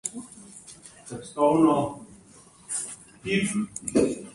Razpolovil je hlod s hitrim udarcem.